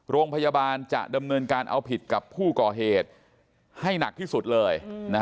โรงพยาบาลจะดำเนินการเอาผิดกับผู้ก่อเหตุให้หนักที่สุดเลย